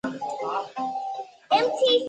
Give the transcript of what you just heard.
芒维厄。